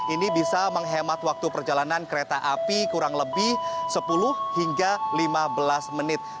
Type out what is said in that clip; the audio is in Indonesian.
ini bisa menghemat waktu perjalanan kereta api kurang lebih sepuluh hingga lima belas menit